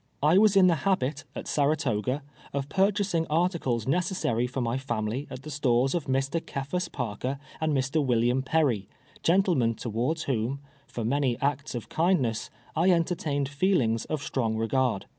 I was in the habit, at Saratoga, of purchasing arti cles necessary for my family at the stores of jMr. Ce phas Parker and Mr. William Perry, gentlemen towards whom, for many acts of kindness, I enter tained feelings of strong regard.